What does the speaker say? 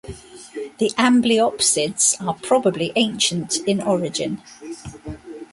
The amblyopsids are probably ancient in origin.